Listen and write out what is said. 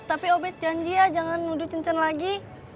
tapi obed janji ya jangan nuduh can can lagi